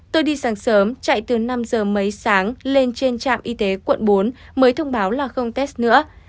tôi đi sáng sớm chạy từ năm giờ mấy sáng lên trên trạm y tế quận bốn mới thông báo là không test nữa